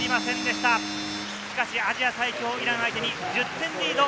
しかし、アジア最強イラン相手に１０点リード。